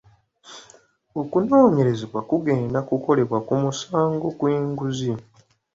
Okunoonyereza kugenda kukolebwa ku musango gw'enguzi.